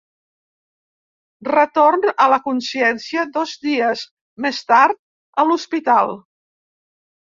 Retorn a la consciència dos dies més tard, a l'hospital.